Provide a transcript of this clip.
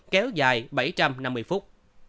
kéo dài bảy trăm năm mươi phút